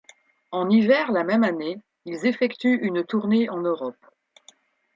En hiver la même année, ils effectuent une tournée en Europe.